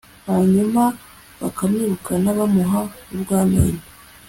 hanyuma bakamwirukana bamuha urw'amenyo